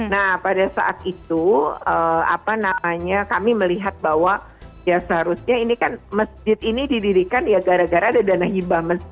nah pada saat itu apa namanya kami melihat bahwa ya seharusnya ini kan masjid ini didirikan ya gara gara ada dana hibah